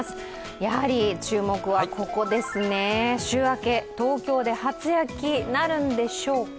やはり注目はここですね、週明け、東京で初雪なるんでしょうか。